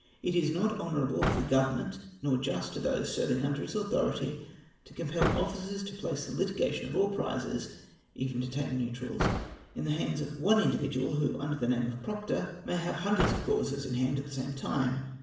It is not honourable to the Government nor just to those serving under its authority, to compel officers to place the litigation of all prizes — even de tauied neutrals — in the hands of one individual, who, imder the name of proctor, may have hundreds of causes in hand at the same time.